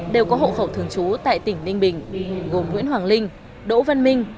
đều có hộ khẩu thường trú tại tỉnh ninh bình gồm nguyễn hoàng linh đỗ văn minh